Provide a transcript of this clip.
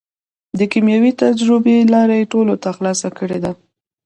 د کېمیاوي تجزیې لاره یې ټولو ته خلاصه کړېده.